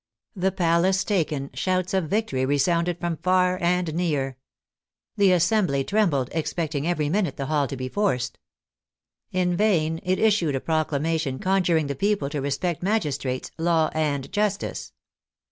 The palace taken, shouts of victory resounded from far and near. The Assembly trembled, expecting every minute the hall to be forced. In vain it issued a proclamation conjuring the people to respect magistrates, law and justice.